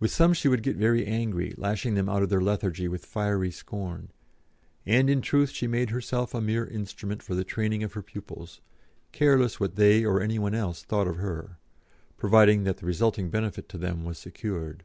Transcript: With some she would get very angry, lashing them out of their lethargy with fiery scorn; and in truth she made herself a mere instrument for the training of her pupils, careless what they, or any one else thought of her, providing that the resulting benefit to them was secured.